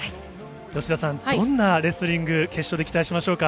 吉田さん、どんなレスリング、決勝で期待しましょうか。